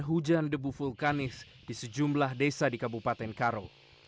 hujan debu vulkanis di sejumlah desa di kabupaten karo